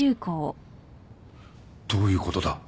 どういうことだ？